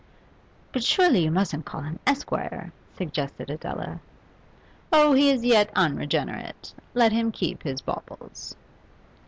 'But surely you mustn't call him Esquire?' suggested Adela. 'Oh, he is yet unregenerate; let him keep his baubles.